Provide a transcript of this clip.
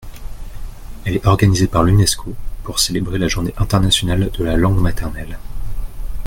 Elle est organisée par l’UNESCO pour célébrer la journée internationale de la langue maternelle.